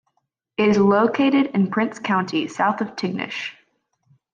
It is located in Prince County, south of Tignish.